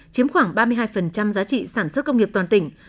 chiếm khoảng ba mươi hai giá trị sản xuất công nghiệp toàn tỉnh